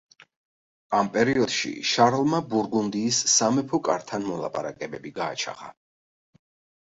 ამ პერიოდში შარლმა ბურგუნდიის სამეფო კართან მოლაპარაკებები გააჩაღა.